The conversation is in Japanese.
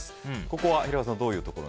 ここは平賀さん